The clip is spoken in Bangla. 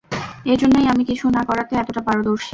এজন্যই আমি কিছু না করাতে এতটা পারদর্শী।